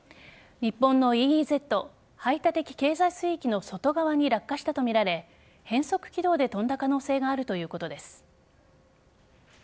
日本のＥＥＺ＝排他的経済水域の外側に落下したとみられ変則軌道で飛んだ可能性があるということです。